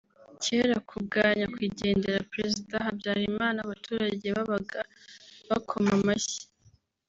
Cyera kubwa Nyakwigendera Président Habyarimana abaturage babaga bakoma amashyi